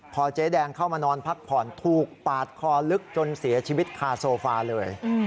พอเจ๊แดงเข้ามานอนพักผ่อนถูกปาดคอลึกจนเสียชีวิตคาโซฟาเลย